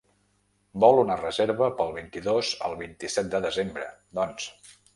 Vol una reserva pel vint-i-dos al vint-i-set de desembre, doncs.